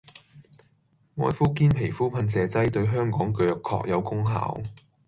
愛膚堅皮膚噴射劑對香港腳確有功效